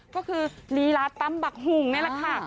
ก็คือลีลาตำบักหุ่งนี่แหละค่ะ